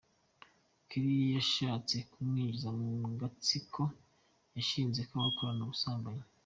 Kelly ko yashatse kumwinjiza mu gatsiko yashinze k’abakorana ubusambanyi.